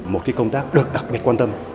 một công tác được đặc biệt quan tâm